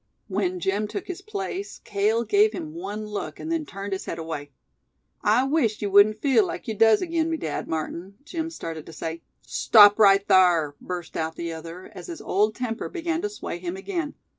When Jim took his place, Cale gave him one look, and then turned his head away. "I wisht yew wudn't feel like yew does agin me, Dad Martin," Jim started to say. "Stop right thar!" burst out the other, as his old temper began to sway him again.